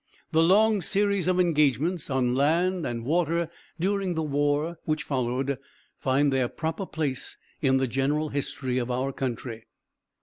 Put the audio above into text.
The long series of engagements on land and water during the war which followed, find their proper place in the general history of our country.